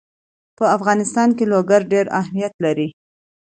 په افغانستان کې لوگر ډېر اهمیت لري.